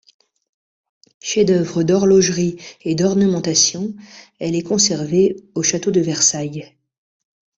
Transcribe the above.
Chef-d'œuvre d'horlogerie et d'ornementation, elle est conservée au château de Versailles.